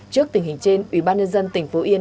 trước tình hình trên ubnd tỉnh phú yên